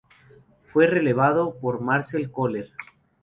Fue relevado por Marcel Koller.